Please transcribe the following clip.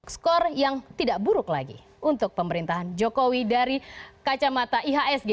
skor yang tidak buruk lagi untuk pemerintahan jokowi dari kacamata ihsg